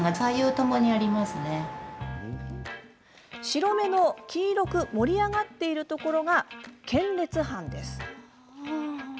白目の黄色く盛り上がっているところが瞼裂斑です。